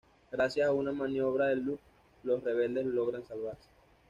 Gracias a una maniobra de Luke los rebeldes logran salvarse.